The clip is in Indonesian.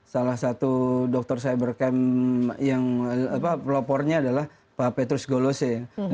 salah satu dokter cyber camp yang pelopornya adalah pak petrus golose